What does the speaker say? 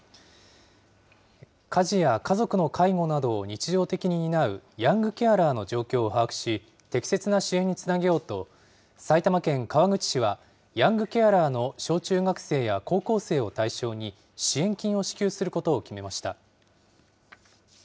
家事や家族の介護などを日常的に担うヤングケアラーの状況を把握し、適切な支援につなげようと、埼玉県川口市は、ヤングケアラーの小中学生や高校生を対象に、支援金を支給することを決めました。